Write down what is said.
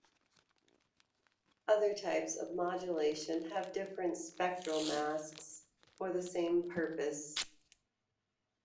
Other types of modulation have different spectral masks for the same purpose.